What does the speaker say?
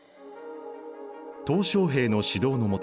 小平の指導の下